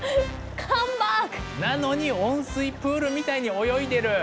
なのに温水プールみたいに泳いでる。